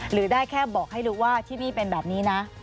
หรือได้แค่บอกให้ดูว่าที่นี่เป็นแบบนี้นะ